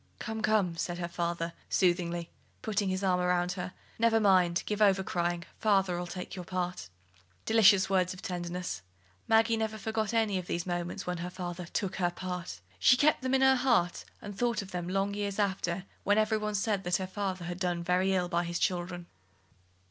"Come, come," said her father, soothingly, putting his arm round her, "never mind; give over crying: father'll take your part." Delicious words of tenderness! Maggie never forgot any of these moments when her father "took her part"; she kept them in her heart, and thought of them long years after, when every one else said that her father had done very ill by his children.